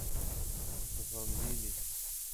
Tu xemgîn î.